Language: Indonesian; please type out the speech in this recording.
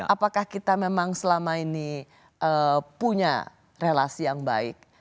apakah kita memang selama ini punya relasi yang baik